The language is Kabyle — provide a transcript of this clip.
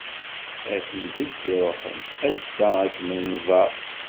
A tidet iṛuḥen, ass-a ad kem-nẓeṛ.